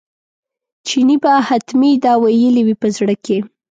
چیني به حتمي دا ویلي وي په زړه کې.